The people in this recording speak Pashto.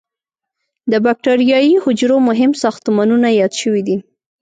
د بکټریايي حجرو مهم ساختمانونه یاد شوي دي.